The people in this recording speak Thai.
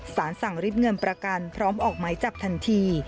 สารสั่งริบเงินประกันพร้อมออกหมายจับทันที